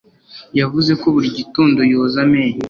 Yavuze ko buri gitondo yoza amenyo